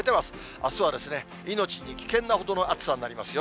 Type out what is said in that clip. あすは命に危険なほどの暑さになりますよ。